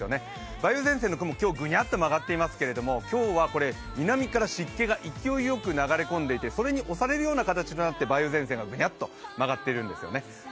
梅雨前線の雲、今日、ぐにゃっと曲がっていますけれど今日は南から湿気が勢いよく流れ込んでいて、それに押されるような形になって梅雨前線がぐにゃっと曲がっているですね。